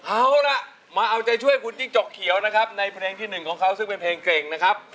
เอาล่ะมาเอาใจช่วยคุณจิ้งจกเขียวนะครับในเพลงที่๑ของเขาซึ่งเป็นเพลงเก่งนะครับ